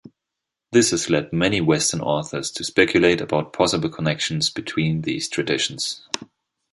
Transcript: This has led many western authors to speculate about possible connections between these traditions.